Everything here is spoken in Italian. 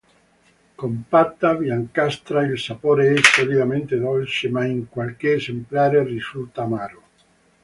Compatta, biancastra; il sapore è solitamente dolce, ma in qualche esemplare risulta amaro.